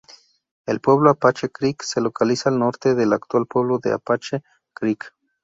El Pueblo Apache Creek se localiza al norte del actual pueblo de Apache Creek.